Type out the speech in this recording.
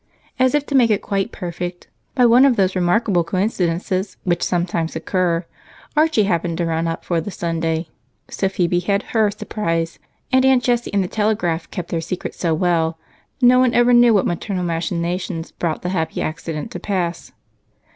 As if to make it quite perfect, by one of those remarkable coincidences which sometimes occur, Archie happened to run up for the Sunday, so Phebe had her surprise, and Aunt Jessie and the telegraph kept their secret so well, no one ever knew what maternal machinations brought the happy accident to pass.